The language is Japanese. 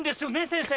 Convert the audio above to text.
先生。